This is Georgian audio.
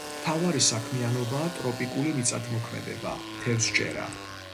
მთავარი საქმიანობაა ტროპიკული მიწათმოქმედება, თევზჭერა.